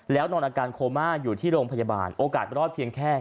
แล้วนอนอาการโคม่าอยู่ที่โรงพยาบาลโอกาสรอดเพียงแค่